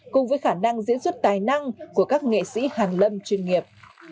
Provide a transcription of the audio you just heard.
cùng với khả năng diễn xuất tài năng của các nghệ sĩ hàn lâm chuyên nghiệp